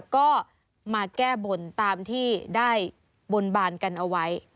ก็มาแก้บนตามที่ได้บนบานกันเอาไว้